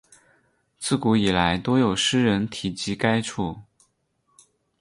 自古以来多有诗人提及该处。